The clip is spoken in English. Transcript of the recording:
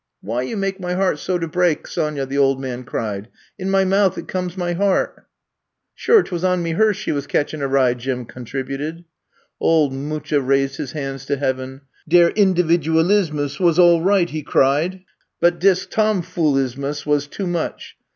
Why you make my heart so to break, Sonyaf*' the old man cried. In my mouth it comes my heart. '^ Shure 'twas on me hearse she wus catchin' a ride,'' Jim contributed. Old Mucha raised his hands to heaven. *' Der individualismus was all right, '' he cried, but dis tomfoolismus was too much.